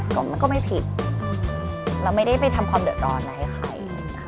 มันก็ไม่ผิดเราไม่ได้ไปทำความเดือดร้อนอะไรให้ใคร